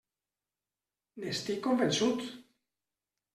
N'estic convençut.